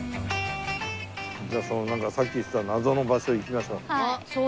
じゃあそのなんかさっき言ってた謎の場所行きましょう。